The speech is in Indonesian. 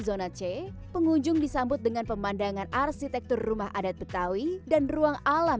zona c pengunjung disambut dengan pemandangan arsitektur rumah adat betawi dan ruang alam